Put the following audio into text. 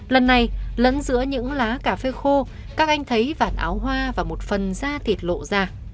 lần này lẫn giữa những lá cà phê khô các anh thấy vạt áo hoa và một phần da thịt lộ ra